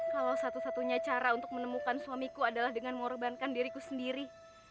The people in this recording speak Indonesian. kalau satu satunya cara untuk menemukan suamiku adalah dengan mengorbankan diriku sendiri